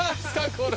これ。